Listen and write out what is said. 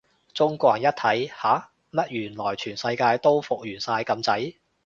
中國人一睇，吓？乜原來全世界都復原晒咁滯？